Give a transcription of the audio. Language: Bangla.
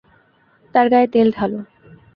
তার গায়ে তেল ঢালো।